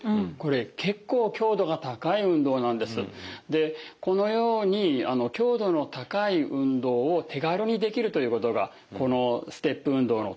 でこのように強度の高い運動を手軽にできるということがこのステップ運動の特徴で。